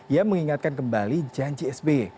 yang mengingatkan kembali janji sbe